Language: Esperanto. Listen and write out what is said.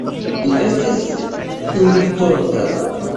Li estis invitota.